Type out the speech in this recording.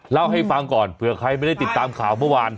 เล่าให้ฟังก่อนเผื่อใครไม่ได้ติดตามข่าวเมื่อวาน